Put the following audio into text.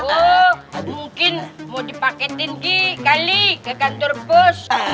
oh mungkin mau dipaketin ghi kali ke kantor bos